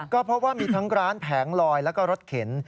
ก็พบว่ามีทั้งร้านแผงลอยแล้วก็รถเข็น